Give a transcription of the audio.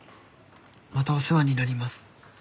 またお世話になります。